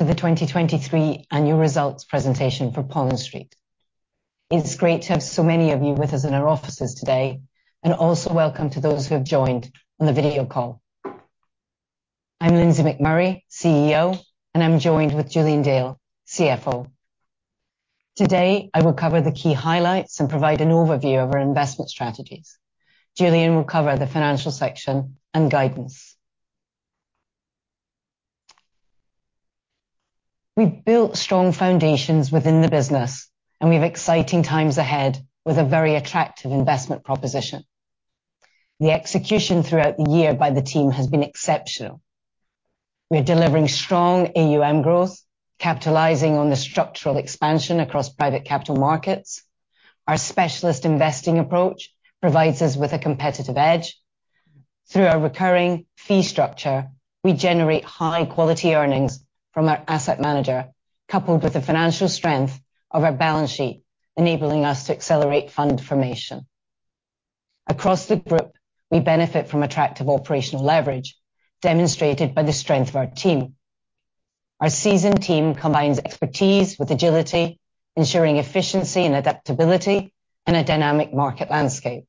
Welcome to the 2023 annual results presentation for Pollen Street. It's great to have so many of you with us in our offices today, and also welcome to those who have joined on the video call. I'm Lindsey McMurray, CEO, and I'm joined with Julian Dale, CFO. Today, I will cover the key highlights and provide an overview of our investment strategies. Julian will cover the financial section and guidance. We've built strong foundations within the business, and we have exciting times ahead, with a very attractive investment proposition. The execution throughout the year by the team has been exceptional. We are delivering strong AUM growth, capitalizing on the structural expansion across private capital markets. Our specialist investing approach provides us with a competitive edge. Through our recurring fee structure, we generate high-quality earnings from our asset manager, coupled with the financial strength of our balance sheet, enabling us to accelerate fund formation. Across the group, we benefit from attractive operational leverage, demonstrated by the strength of our team. Our seasoned team combines expertise with agility, ensuring efficiency and adaptability in a dynamic market landscape.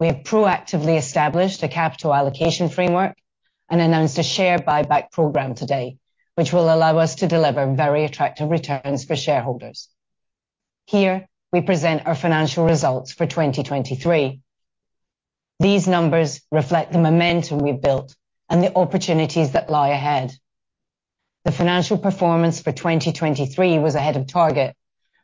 We have proactively established a capital allocation framework and announced a share buyback program today, which will allow us to deliver very attractive returns for shareholders. Here, we present our financial results for 2023. These numbers reflect the momentum we've built and the opportunities that lie ahead. The financial performance for 2023 was ahead of target,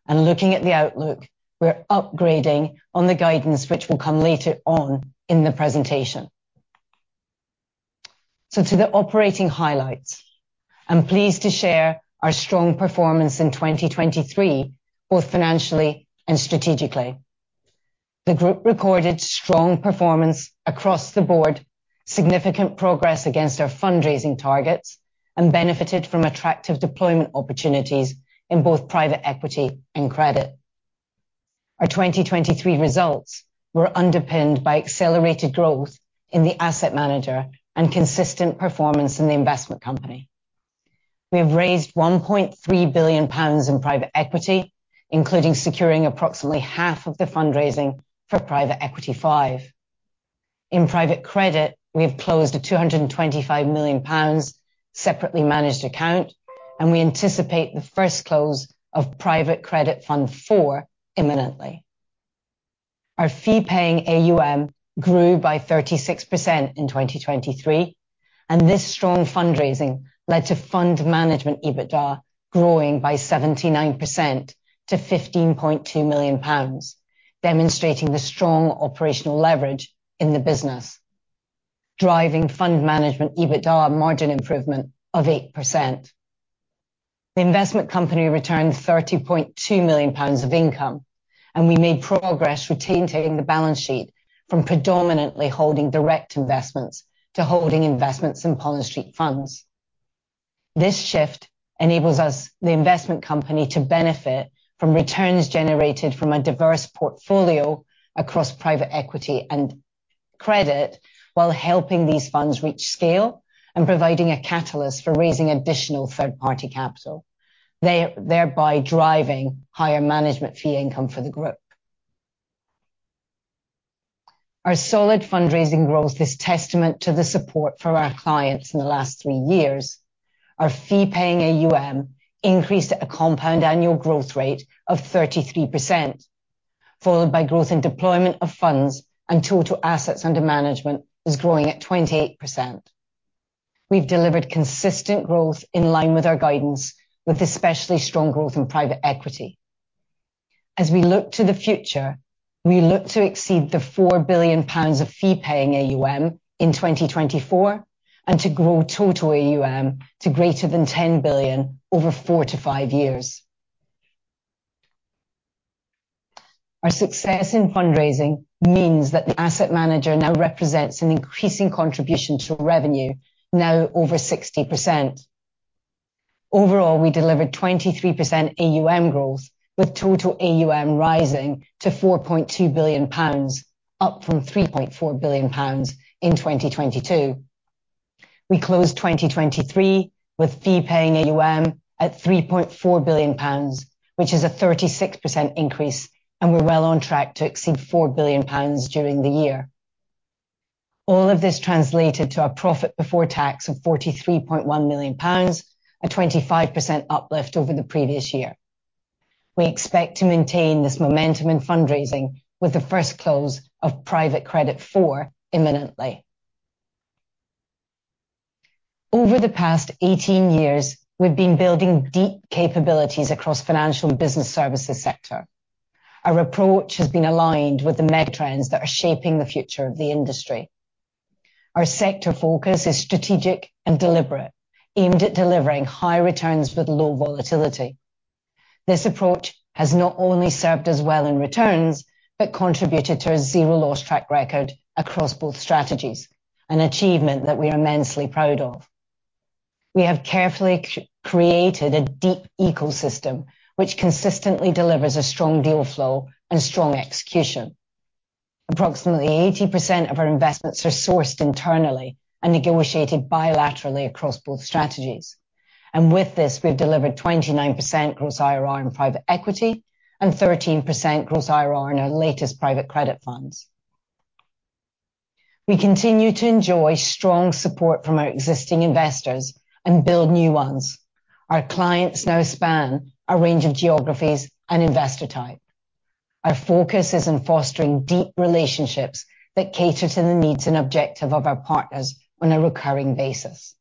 and looking at the outlook, we're upgrading on the guidance, which will come later on in the presentation. So, to the operating highlights. I'm pleased to share our strong performance in 2023, both financially and strategically. The group recorded strong performance across the board, significant progress against our fundraising targets, and benefited from attractive deployment opportunities in both private equity and credit. Our 2023 results were underpinned by accelerated growth in the asset manager and consistent performance in the investment company. We have raised 1.3 billion pounds in private equity, including securing approximately half of the fundraising for Private Equity V. In private credit, we have closed a 225 million pounds separately managed account, and we anticipate the first close of Private Credit Fund IV imminently. Our fee-paying AUM grew by 36% in 2023, and this strong fundraising led to fund management EBITDA growing by 79% to 15.2 million pounds, demonstrating the strong operational leverage in the business, driving fund management EBITDA margin improvement of 8%. The investment company returned 30.2 million pounds of income, and we made progress with tilting the balance sheet from predominantly holding direct investments to holding investments in Pollen Street funds. This shift enables us, the investment company, to benefit from returns generated from a diverse portfolio across private equity and credit, while helping these funds reach scale and providing a catalyst for raising additional third-party capital, thereby driving higher management fee income for the group. Our solid fundraising growth is testament to the support from our clients in the last three years. Our fee-paying AUM increased at a compound annual growth rate of 33%, followed by growth in deployment of funds, and total assets under management is growing at 28%. We've delivered consistent growth in line with our guidance, with especially strong growth in private equity. As we look to the future, we look to exceed 4 billion pounds of fee-paying AUM in 2024, and to grow total AUM to greater than 10 billion over 4-5 years. Our success in fundraising means that the asset manager now represents an increasing contribution to revenue, now over 60%. Overall, we delivered 23% AUM growth, with total AUM rising to 4.2 billion pounds, up from 3.4 billion pounds in 2022. We closed 2023 with fee-paying AUM at 3.4 billion pounds, which is a 36% increase, and we're well on track to exceed 4 billion pounds during the year. All of this translated to a profit before tax of 43.1 million pounds, a 25% uplift over the previous year. We expect to maintain this momentum in fundraising with the first close of Private Credit IV imminently. Over the past 18 years, we've been building deep capabilities across financial and business services sector. Our approach has been aligned with the megatrends that are shaping the future of the industry. Our sector focus is strategic and deliberate, aimed at delivering high returns with low volatility. This approach has not only served us well in returns, but contributed to a zero-loss track record across both strategies, an achievement that we are immensely proud of. We have carefully created a deep ecosystem, which consistently delivers a strong deal flow and strong execution. Approximately 80% of our investments are sourced internally and negotiated bilaterally across both strategies. And with this, we've delivered 29% gross IRR in private equity and 13% gross IRR in our latest private credit funds. We continue to enjoy strong support from our existing investors and build new ones. Our clients now span a range of geographies and investor type. Our focus is on fostering deep relationships that cater to the needs and objective of our partners on a recurring basis.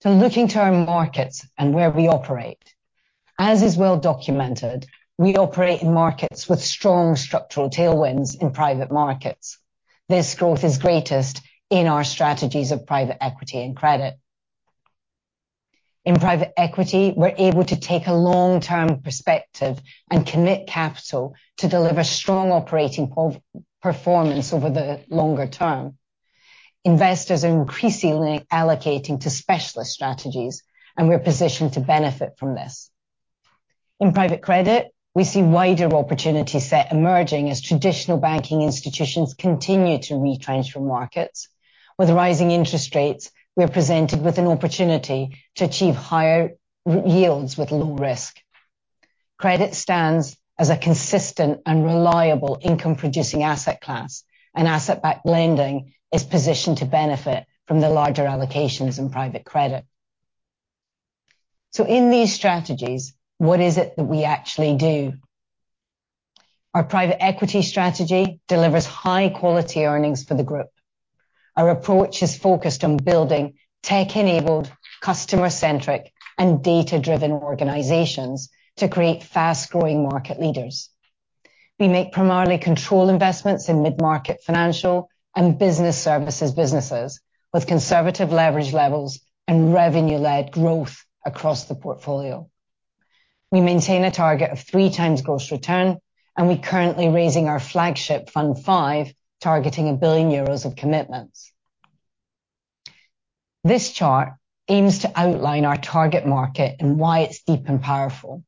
So, looking to our markets and where we operate, as is well documented, we operate in markets with strong structural tailwinds in private markets. This growth is greatest in our strategies of private equity and credit. In private equity, we're able to take a long-term perspective and commit capital to deliver strong operating performance over the longer term. Investors are increasingly allocating to specialist strategies, and we're positioned to benefit from this. In private credit, we see wider opportunity set emerging as traditional banking institutions continue to retreat from markets. With rising interest rates, we are presented with an opportunity to achieve higher yields with low risk. Credit stands as a consistent and reliable income-producing asset class, and asset-backed lending is positioned to benefit from the larger allocations in private credit. So in these strategies, what is it that we actually do? Our private equity strategy delivers high-quality earnings for the group. Our approach is focused on building tech-enabled, customer-centric, and data-driven organizations to create fast-growing market leaders. We make primarily control investments in mid-market financial and business services businesses, with conservative leverage levels and revenue-led growth across the portfolio. We maintain a target of 3x gross return, and we're currently raising our flagship Fund V, targeting 1 billion euros of commitments. This chart aims to outline our target market and why it's deep and powerful.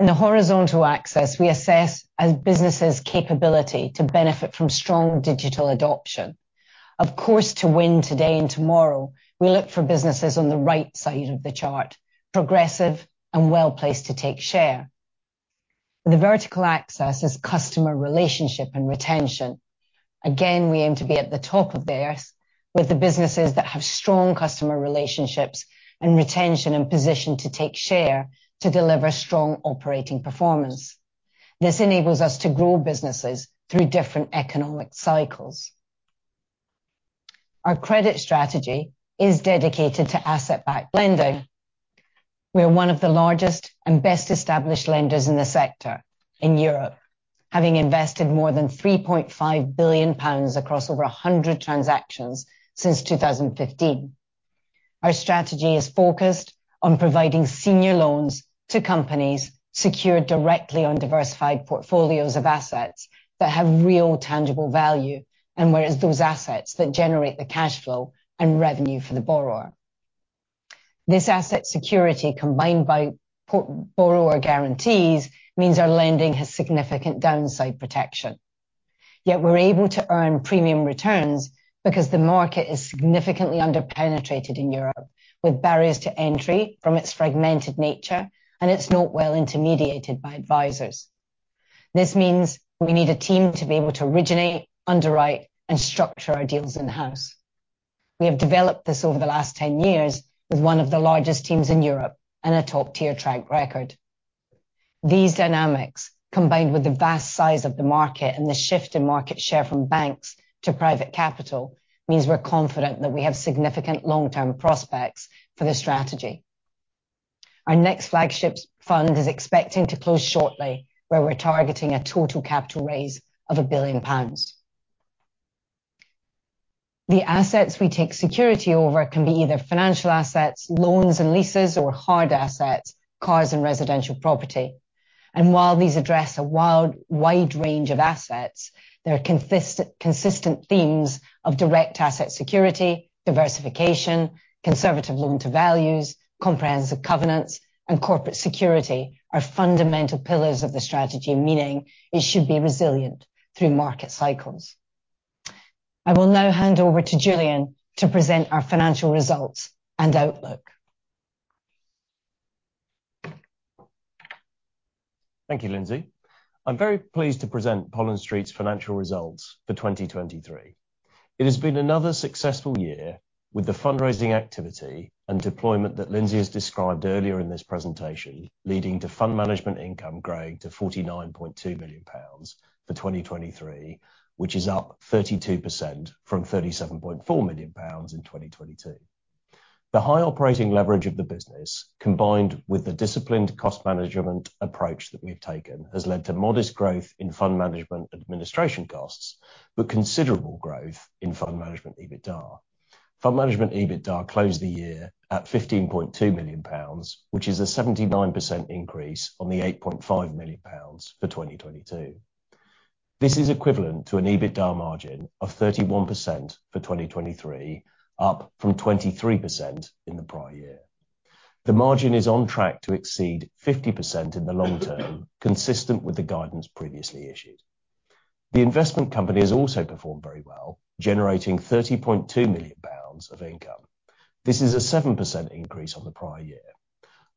In the horizontal axis, we assess a business's capability to benefit from strong digital adoption. Of course, to win today and tomorrow, we look for businesses on the right side of the chart, progressive and well-placed to take share. The vertical axis is customer relationship and retention. Again, we aim to be at the top of this with the businesses that have strong customer relationships and retention and positioned to take share to deliver strong operating performance. This enables us to grow businesses through different economic cycles. Our credit strategy is dedicated to asset-backed lending. We are one of the largest and best-established lenders in the sector in Europe, having invested more than 3.5 billion pounds across over 100 transactions since 2015. Our strategy is focused on providing senior loans to companies secured directly on diversified portfolios of assets that have real, tangible value, and where those assets generate the cash flow and revenue for the borrower. This asset security, combined with borrower guarantees, means our lending has significant downside protection, yet we're able to earn premium returns because the market is significantly underpenetrated in Europe, with barriers to entry from its fragmented nature, and it's not well intermediated by advisors. This means we need a team to be able to originate, underwrite, and structure our deals in-house. We have developed this over the last 10 years with one of the largest teams in Europe and a top-tier track record. These dynamics, combined with the vast size of the market and the shift in market share from banks to private capital, means we're confident that we have significant long-term prospects for this strategy. Our next flagship fund is expecting to close shortly, where we're targeting a total capital raise of 1 billion pounds. The assets we take security over can be either financial assets, loans and leases or hard assets, cars and residential property. And while these address a wide range of assets, there are consistent themes of direct asset security, diversification, conservative loan-to-values, comprehensive covenants, and corporate security are fundamental pillars of the strategy, meaning it should be resilient through market cycles. I will now hand over to Julian to present our financial results and outlook. Thank you, Lindsey. I'm very pleased to present Pollen Street's financial results for 2023. It has been another successful year with the fundraising activity and deployment that Lindsey has described earlier in this presentation, leading to fund management income growing to 49.2 million pounds for 2023, which is up 32% from 37.4 million pounds in 2022. The high operating leverage of the business, combined with the disciplined cost management approach that we've taken, has led to modest growth in fund management administration costs, but considerable growth in fund management EBITDA. Fund management EBITDA closed the year at GBP 15.2 million, which is a 79% increase on the GBP 8.5 million for 2022. This is equivalent to an EBITDA margin of 31% for 2023, up from 23% in the prior year.... The margin is on track to exceed 50% in the long term, consistent with the guidance previously issued. The investment company has also performed very well, generating 30.2 million pounds of income. This is a 7% increase on the prior year.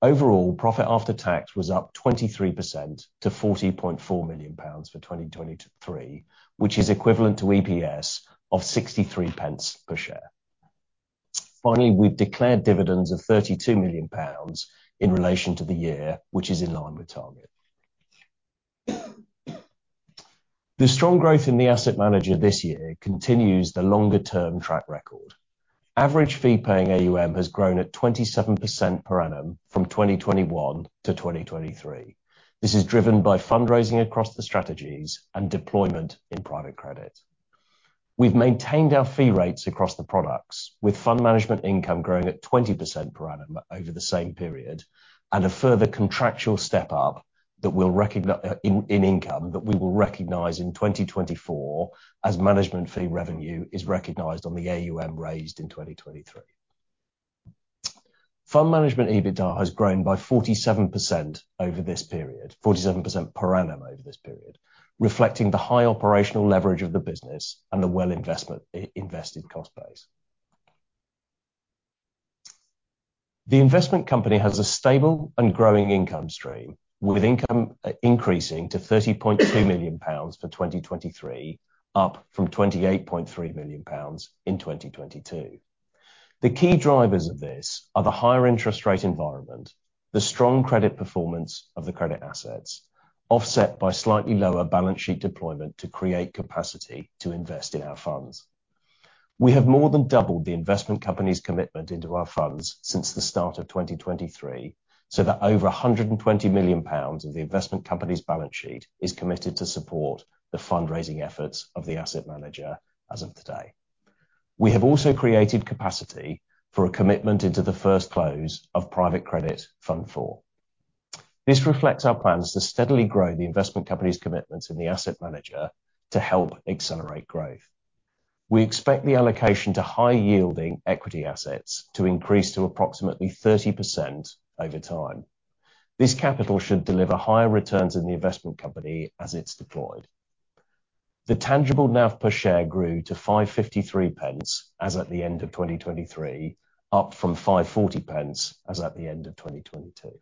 Overall, profit after tax was up 23% to 40.4 million pounds for 2023, which is equivalent to EPS of 0.63 per share. Finally, we've declared dividends of 32 million pounds in relation to the year, which is in line with target. The strong growth in the asset manager this year continues the longer-term track record. Average fee-paying AUM has grown at 27% per annum from 2021 to 2023. This is driven by fundraising across the strategies and deployment in private credit. We've maintained our fee rates across the products, with fund management income growing at 20% per annum over the same period, and a further contractual step-up that we will recognize in income in 2024, as management fee revenue is recognized on the AUM raised in 2023. Fund management EBITDA has grown by 47% over this period, 47% per annum over this period, reflecting the high operational leverage of the business and the well-invested cost base. The investment company has a stable and growing income stream, with income increasing to 30.2 million pounds for 2023, up from 28.3 million pounds in 2022. The key drivers of this are the higher interest rate environment, the strong credit performance of the credit assets, offset by slightly lower balance sheet deployment to create capacity to invest in our funds. We have more than doubled the investment company's commitment into our funds since the start of 2023, so that over 120 million pounds of the investment company's balance sheet is committed to support the fundraising efforts of the asset manager as of today. We have also created capacity for a commitment into the first close of Private Credit Fund IV. This reflects our plans to steadily grow the investment company's commitments in the asset manager to help accelerate growth. We expect the allocation to high-yielding equity assets to increase to approximately 30% over time. This capital should deliver higher returns in the investment company as it's deployed. The tangible NAV per share grew to 5.53, as at the end of 2023, up from 5.40, as at the end of 2022.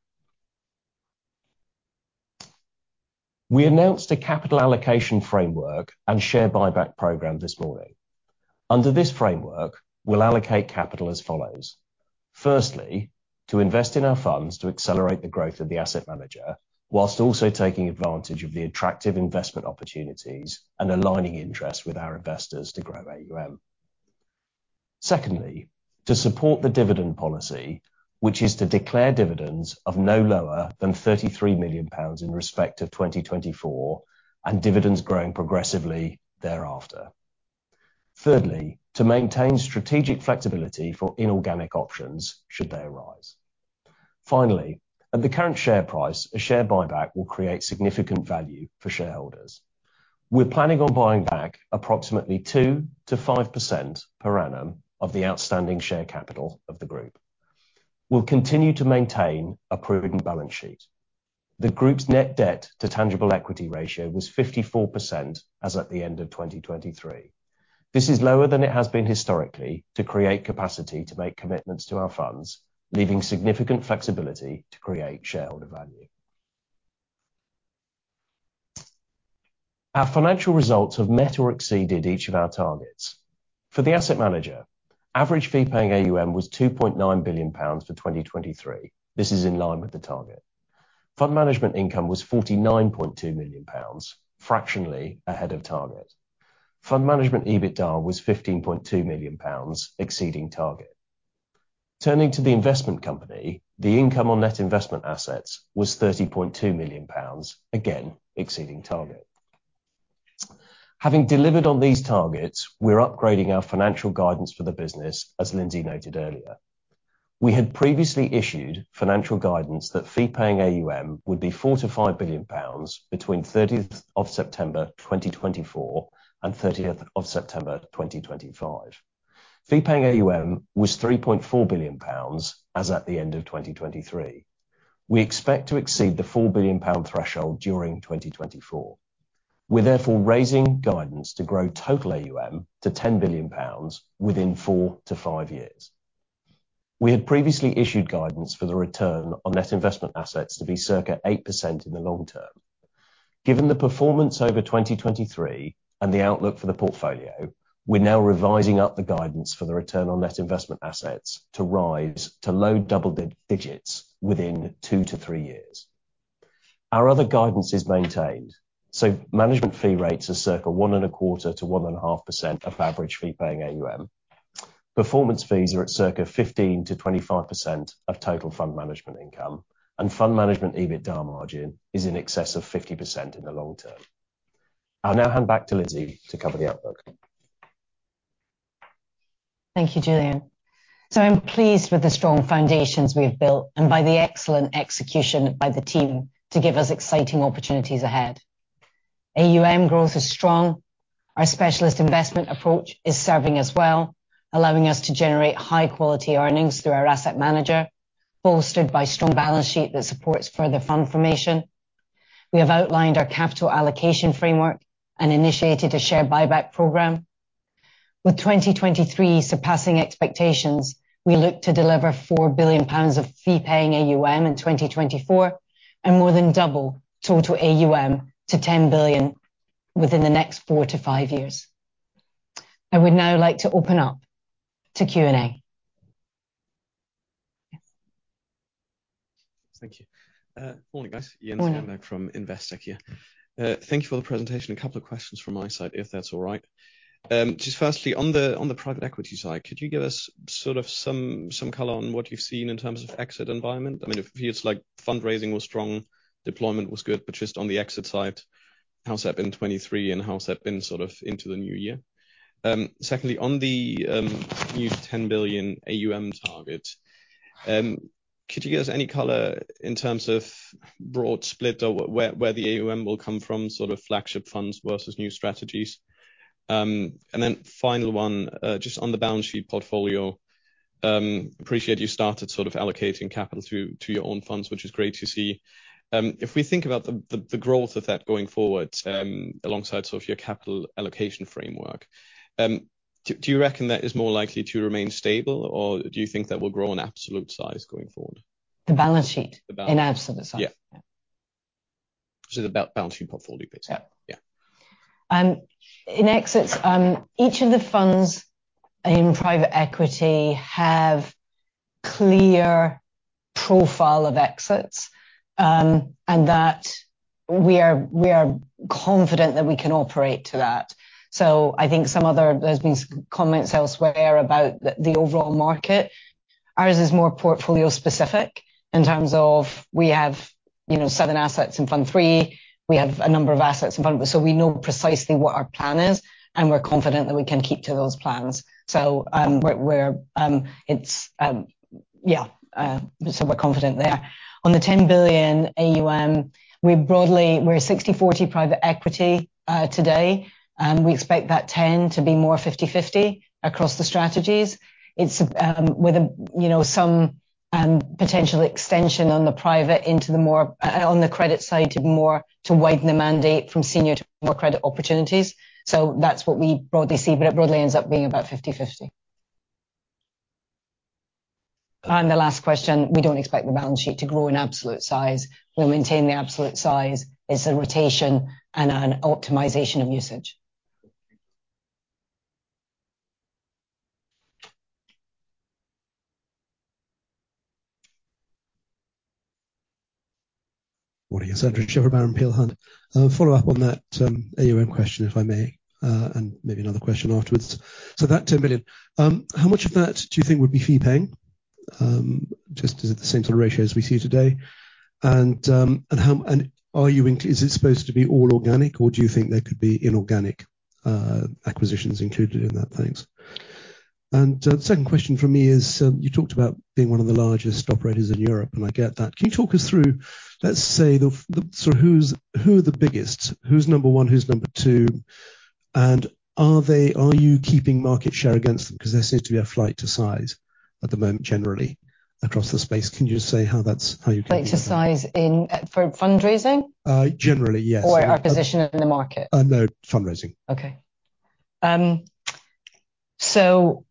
We announced a capital allocation framework and share buyback program this morning. Under this framework, we'll allocate capital as follows: firstly, to invest in our funds to accelerate the growth of the asset manager, while also taking advantage of the attractive investment opportunities and aligning interests with our investors to grow AUM. Secondly, to support the dividend policy, which is to declare dividends of no lower than 33 million pounds in respect of 2024, and dividends growing progressively thereafter. Thirdly, to maintain strategic flexibility for inorganic options should they arise. Finally, at the current share price, a share buyback will create significant value for shareholders. We're planning on buying back approximately 2%-5% per annum of the outstanding share capital of the group. We'll continue to maintain a prudent balance sheet. The group's net debt to tangible equity ratio was 54% as at the end of 2023. This is lower than it has been historically to create capacity to make commitments to our funds, leaving significant flexibility to create shareholder value. Our financial results have met or exceeded each of our targets. For the asset manager, average fee-paying AUM was 2.9 billion pounds for 2023. This is in line with the target. Fund management income was 49.2 million pounds, fractionally ahead of target. Fund management EBITDA was 15.2 million pounds, exceeding target. Turning to the investment company, the income on net investment assets was 30.2 million pounds, again, exceeding target. Having delivered on these targets, we're upgrading our financial guidance for the business, as Lindsey noted earlier. We had previously issued financial guidance that fee-paying AUM would be 4 billion-5 billion pounds between 30th of September 2024 and 30th of September 2025. Fee-paying AUM was 3.4 billion pounds, as at the end of 2023. We expect to exceed the 4 billion pound threshold during 2024. We're therefore raising guidance to grow total AUM to 10 billion pounds within 4-5 years. We had previously issued guidance for the return on net investment assets to be circa 8% in the long term. Given the performance over 2023 and the outlook for the portfolio, we're now revising up the guidance for the return on net investment assets to rise to low double digits within 2-3 years. Our other guidance is maintained, so management fee rates are circa 1.25%-1.5% of average fee-paying AUM. Performance fees are at circa 15%-25% of total fund management income, and fund management EBITDA margin is in excess of 50% in the long term. I'll now hand back to Lindsey to cover the outlook. Thank you, Julian. So I'm pleased with the strong foundations we've built and by the excellent execution by the team to give us exciting opportunities ahead. AUM growth is strong. Our specialist investment approach is serving us well, allowing us to generate high-quality earnings through our asset manager, bolstered by strong balance sheet that supports further fund formation. We have outlined our capital allocation framework and initiated a share buyback program. With 2023 surpassing expectations, we look to deliver 4 billion pounds of fee-paying AUM in 2024, and more than double total AUM to 10 billion within the next 4-5 years. I would now like to open up to Q&A. Thank you. Morning, guys. Morning. Jens Lindqvist from Investec here. Thank you for the presentation. A couple of questions from my side, if that's all right. Just firstly, on the private equity side, could you give us sort of some color on what you've seen in terms of exit environment? I mean, it feels like fundraising was strong, deployment was good, but just on the exit side, how's that been in 2023, and how's that been sort of into the new year? Secondly, on the new 10 billion AUM target, could you give us any color in terms of broad split, or where the AUM will come from, sort of flagship funds versus new strategies? And then final one, just on the balance sheet portfolio, appreciate you started sort of allocating capital to your own funds, which is great to see. If we think about the growth of that going forward, alongside sort of your capital allocation framework, do you reckon that is more likely to remain stable, or do you think that will grow in absolute size going forward? The balance sheet- The balance- in absolute size? Yeah. So the balance sheet portfolio bit. Yeah. Yeah. In exits, each of the funds in private equity have clear profile of exits, and we are confident that we can operate to that. So I think some other, there's been comments elsewhere about the overall market. Ours is more portfolio specific in terms of we have, you know, seven assets in Fund III. We have a number of assets in fund, so we know precisely what our plan is, and we're confident that we can keep to those plans. So, we're confident there. On the 10 billion AUM, we broadly, we're 60/40 private equity today, and we expect that 10 to be more 50/50 across the strategies. It's with, you know, some potential extension on the private into the more, on the credit side, more to widen the mandate from senior to more credit opportunities, so that's what we broadly see, but it broadly ends up being about 50/50. The last question, we don't expect the balance sheet to grow in absolute size. We'll maintain the absolute size. It's a rotation and an optimization of usage. Morning, Andrew Shepherd-Barron, Peel Hunt. Follow up on that AUM question, if I may, and maybe another question afterwards. So that 10 billion, how much of that do you think would be fee-paying, just at the same sort of ratio as we see today? And how, and are you in... Is it supposed to be all organic, or do you think there could be inorganic acquisitions included in that? Thanks. And the second question from me is, you talked about being one of the largest operators in Europe, and I get that. Can you talk us through, let's say, the, the, so who are the biggest? Who's number one, who's number two, and are they, are you keeping market share against them? Because there seems to be a flight to size at the moment, generally, across the space. Can you just say how that's, how you- Flight to size in for fundraising? Generally, yes. Or our position in the market? No, fundraising. Okay. So,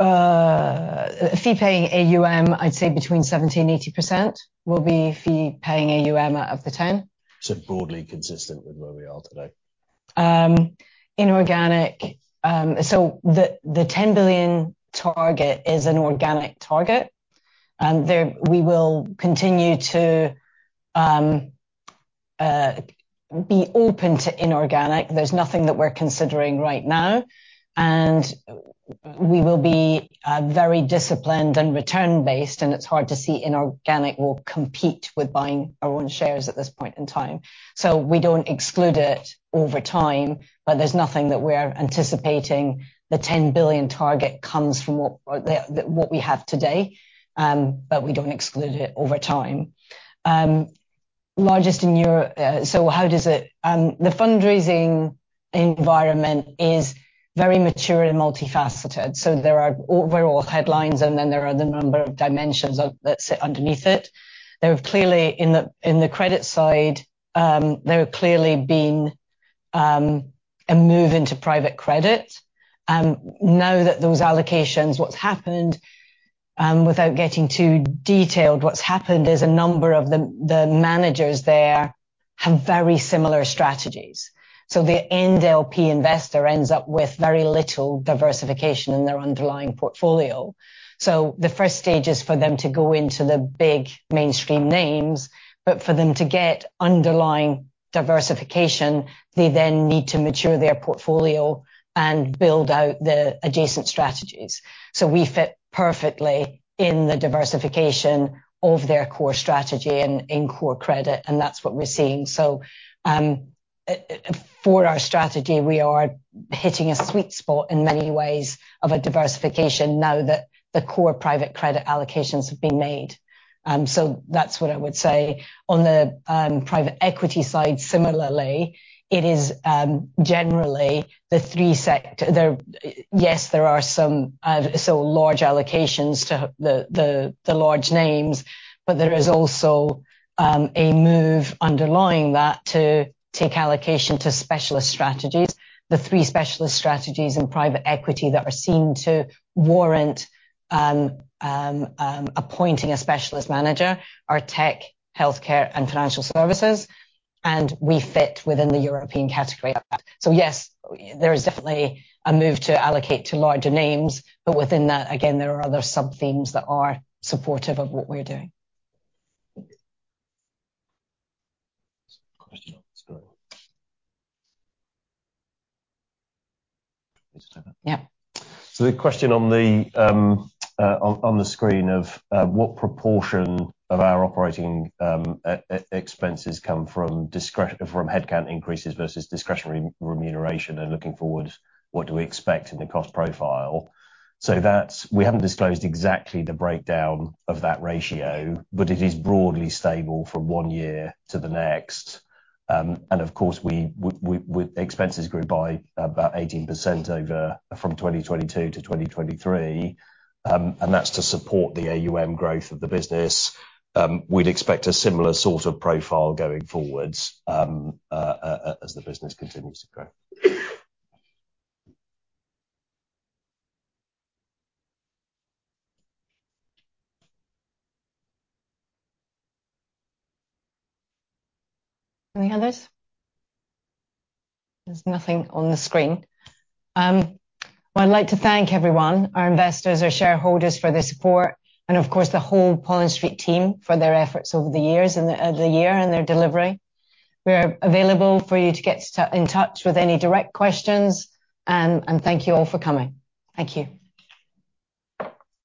fee-paying AUM, I'd say between 70% and 80% will be fee-paying AUM out of the 10. Broadly consistent with where we are today. Inorganic, so the 10 billion target is an organic target, and there, we will continue to be open to inorganic. There's nothing that we're considering right now, and we will be very disciplined and return based, and it's hard to see inorganic will compete with buying our own shares at this point in time. So we don't exclude it over time, but there's nothing that we're anticipating. The 10 billion target comes from what we have today, but we don't exclude it over time. Largest in Europe, so how does it, the fundraising environment is very mature and multifaceted, so there are overall headlines, and then there are the number of dimensions of that sit underneath it. There have clearly been a move into private credit in the credit side. Now that those allocations, without getting too detailed, what's happened is a number of the managers there have very similar strategies. So the end LP investor ends up with very little diversification in their underlying portfolio. So the first stage is for them to go into the big mainstream names, but for them to get underlying diversification, they then need to mature their portfolio and build out the adjacent strategies. So we fit perfectly in the diversification of their core strategy and in core credit, and that's what we're seeing. So, for our strategy, we are hitting a sweet spot in many ways of a diversification now that the core private credit allocations have been made. So that's what I would say. On the private equity side, similarly, it is generally, yes, there are some so large allocations to the large names, but there is also a move underlying that to take allocation to specialist strategies. The three specialist strategies in private equity that are seen to warrant appointing a specialist manager are tech, healthcare, and financial services, and we fit within the European category of that. So yes, there is definitely a move to allocate to larger names, but within that, again, there are other subthemes that are supportive of what we're doing. Question on the screen. So the question on the screen of what proportion of our operating expenses come from headcount increases versus discretionary remuneration, and looking forward, what do we expect in the cost profile? So that's. We haven't disclosed exactly the breakdown of that ratio, but it is broadly stable from one year to the next. And of course, expenses grew by about 18% from 2022 to 2023. And that's to support the AUM growth of the business. We'd expect a similar sort of profile going forward as the business continues to grow. Any others? There's nothing on the screen. Well, I'd like to thank everyone, our investors, our shareholders, for their support, and of course, the whole Pollen Street team for their efforts over the years and the, the year and their delivery. We're available for you to get to, in touch with any direct questions. And thank you all for coming. Thank you.